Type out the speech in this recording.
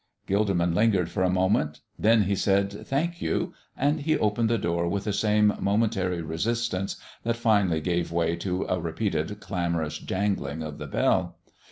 Gilderman lingered for a moment. Then he said, "Thank you," and he opened the door with the same momentary resistance that finally gave way to a repeated clamorous jangling of the bell.